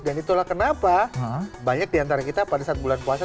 dan itulah kenapa banyak di antara kita pada saat bulan puasa